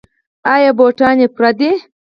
ایا بوټان یې پوره دي؟